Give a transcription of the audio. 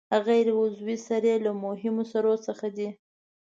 غیر عضوي سرې له مهمو سرو څخه دي.